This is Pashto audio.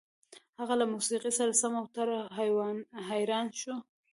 هغه له موسيقۍ سره سم اوتر او حيران شو.